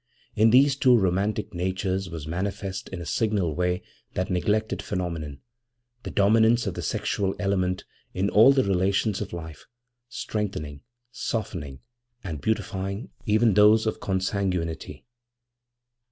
In these two romantic natures was manifest in a signal way that neglected phenomenon, the dominance of the sexual element in all the relations of life, strengthening, softening, and beautifying even those of consanguinity.